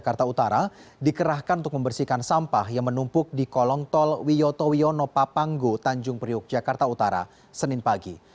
jakarta utara dikerahkan untuk membersihkan sampah yang menumpuk di kolong tol wiyoto wiono papanggo tanjung priuk jakarta utara senin pagi